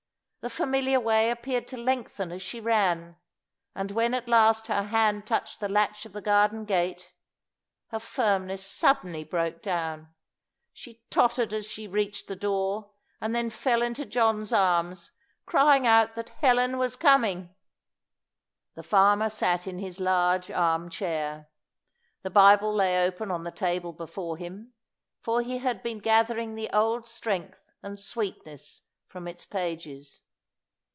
The familiar way appeared to lengthen as she ran; and when at last her hand touched the latch of the garden gate, her firmness suddenly broke down. She tottered as she reached the door, and then fell into John's arms, crying out that Helen was coming. The farmer sat in his large arm chair. The Bible lay open on the table before him, for he had been gathering the old strength and sweetness from its pages.